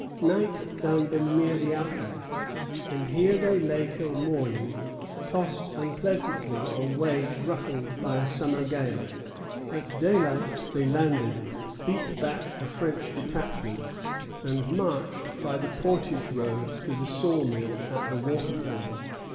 Night found them near the outlet; and here they lay till morning, tossed unpleasantly on waves ruffled by a summer gale. At daylight they landed, beat back a French detachment, and marched by the portage road to the saw mill at the waterfall.